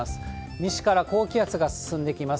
西から高気圧が進んできます。